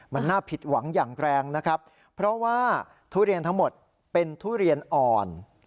มันน่าผิดหวังอย่างแรงนะครับเพราะว่าทุเรียนทั้งหมดเป็นทุเรียนอ่อน